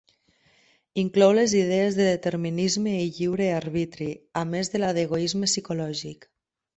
Inclou les idees de determinisme i lliure arbitri, a més de la d'egoisme psicològic.